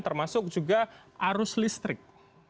termasuk juga arus listrik